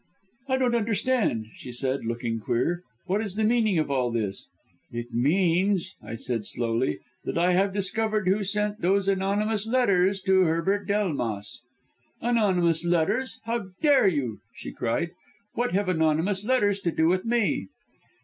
"'I don't understand,' she said looking queer, 'what is the meaning of all this?' "'It means,' I said slowly, 'that I have discovered who sent those anonymous letters to Herbert Delmas!' "'Anonymous letters! how dare you!' she cried, 'what have anonymous letters to do with me?'